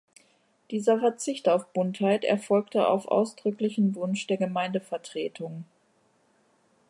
Dieser Verzicht auf Buntheit erfolgte auf ausdrücklichen Wunsch der Gemeindevertretung.